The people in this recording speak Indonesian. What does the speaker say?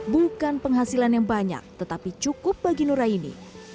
bukan penghasilan yang banyak tetapi cukup bagi nuraini